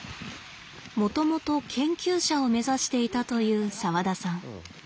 もともと研究者を目指していたという澤田さん。